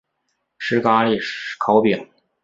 吃咖哩烤饼